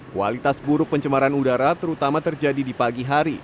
kualitas buruk pencemaran udara terutama terjadi di pagi hari